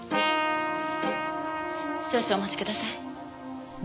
少々お待ちください。